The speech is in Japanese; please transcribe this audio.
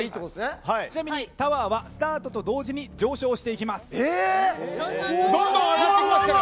ちなみにタワーはＳＴＡＲＴと同時に上昇していきます。